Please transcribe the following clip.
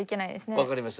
分かりました。